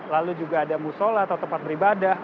lalu juga ada musola atau tempat beribadah